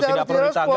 tidak perlu direspon